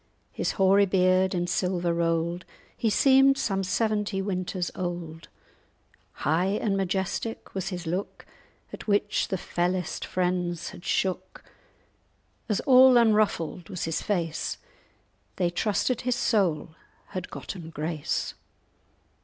His hoary beard in silver roll'd, He seemed some seventy winters old. High and majestic was his look, At which the fellest friends had shook, And all unruffled was his face; They trusted his soul had gotten grace."